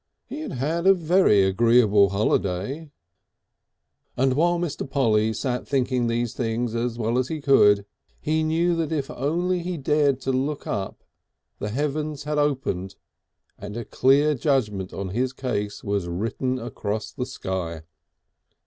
He had had a very agreeable holiday.... And while Mr. Polly sat thinking these things as well as he could, he knew that if only he dared to look up the heavens had opened and the clear judgment on his case was written across the sky.